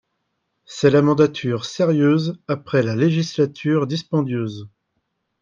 C’est la mandature sérieuse après la législature dispendieuse